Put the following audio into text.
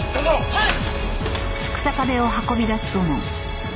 はい！